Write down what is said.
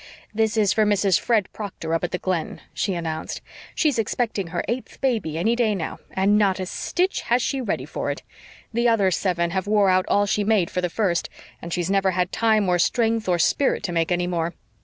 "This is for Mrs. Fred Proctor up at the Glen," she announced. "She's expecting her eighth baby any day now, and not a stitch has she ready for it. The other seven have wore out all she made for the first, and she's never had time or strength or spirit to make any more.